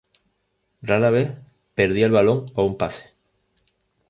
Rara vez perdía el balón o un pase.